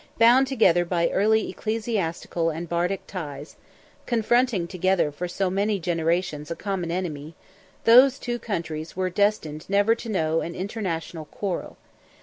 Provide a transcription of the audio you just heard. Bound together by early ecclesiastical and bardic ties, confronting together for so many generations a common enemy, those two countries were destined never to know an international quarrel.